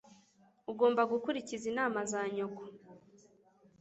Ugomba gukurikiza inama za nyoko.